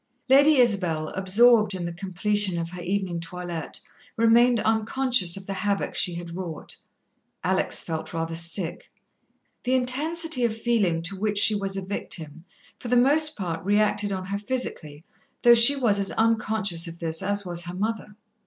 Lady Isabel, absorbed in the completion of her evening toilette, remained unconscious of the havoc she had wrought. Alex felt rather sick. The intensity of feeling to which she was a victim, for the most part reacted on her physically, though she was as unconscious of this as was her mother.